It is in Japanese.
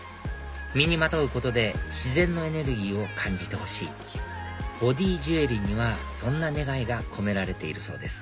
身にまとうことで自然のエネルギーを感じてほしいボディージュエリーにはそんな願いが込められているそうです